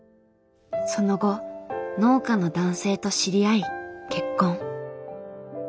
その後農家の男性と知り合い結婚。